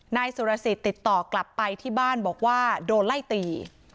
นายสุรสิทธิ์ติดต่อกลับไปที่บ้านบอกว่าโดนไล่ตี